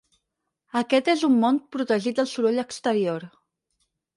Aquest és un món protegit del soroll exterior.